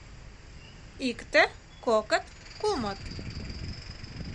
Икте, кокыт, кумыт...